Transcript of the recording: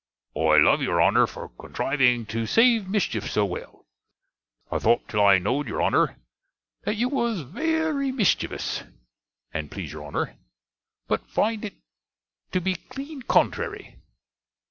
I love your Honner for contriveing to save mischiff so well. I thought till I know'd your Honner, that you was verry mischevous, and plese your Honner: but find it to be clene contrary.